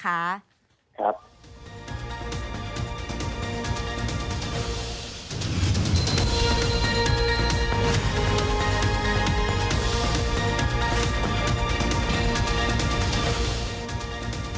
ครับ